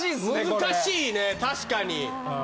難しいね確かに。